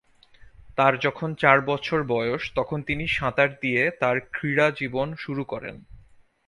তার যখন চার বছর বয়স তখন তিনি সাঁতার দিয়ে তার ক্রীড়া জীবন শুরু করেন।